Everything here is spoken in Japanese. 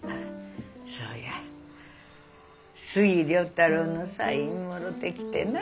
そや杉良太郎のサインもろてきてな。